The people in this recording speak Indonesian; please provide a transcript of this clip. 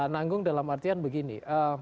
nanggung dalam artian begini